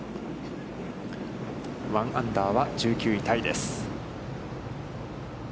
１アンダーは１９位タイです。